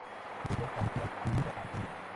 Su templo parroquial se dedica a templo.